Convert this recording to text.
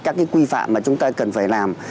các cái quy phạm mà chúng ta cần phải làm